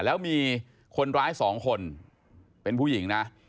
แล้วมีคนร้าย๒คนเป็นผู้หญิงนะ